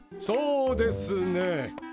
そうですね。